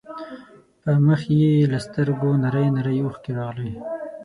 په مخ يې له سترګو نرۍ نرۍ اوښکې راغلې.